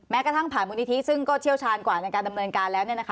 กระทั่งผ่านมูลนิธิซึ่งก็เชี่ยวชาญกว่าในการดำเนินการแล้ว